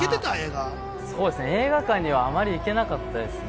映画館にはあまり行けなかったですね。